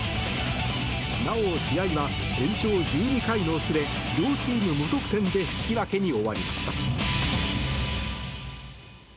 なお、試合は延長１２回の末両チーム無得点で引き分けに終わりました。